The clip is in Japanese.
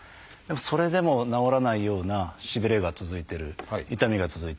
それでも治らないようなしびれが続いてる痛みが続いてる。